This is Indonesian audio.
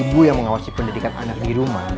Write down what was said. dan ibu yang mengawasi pendidikan anak di rumah